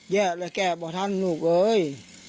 แย่แล้วแก้บ่อท่านลูกเอ้ย